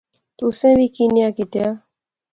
تسیں وی کی نی کیتیا